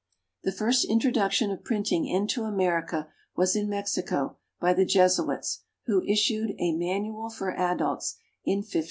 The first introduction of printing into America was in Mexico, by the Jesuits, who issued a "Manual for Adults," in 1540.